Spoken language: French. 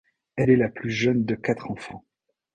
Elle est la plus jeune de quatre enfants.